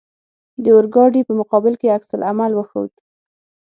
د اورګاډي په مقابل کې عکس العمل وښود.